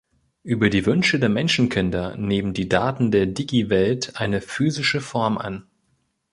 Über die Wünsche der Menschenkinder nehmen die Daten der Digiwelt eine physische Form an.